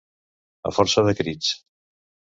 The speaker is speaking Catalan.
A força de crits.